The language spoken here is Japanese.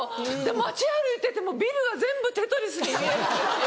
街歩いててもビルが全部テトリスに見えるんですよ。